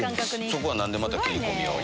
そこは何でまた切り込みを？